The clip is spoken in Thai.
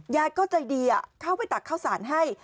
ยายก็ใจดีเข้าไปตักข้าวสารให้